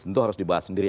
itu harus dibahas sendiri